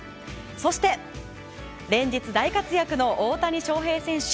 そして連日大活躍の大谷翔平選手。